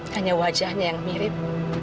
hanya wajahnya yang mirip